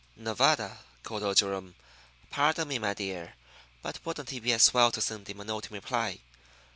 '" "Nevada," called old Jerome, "pardon me, my dear, but wouldn't it be as well to send him a note in reply?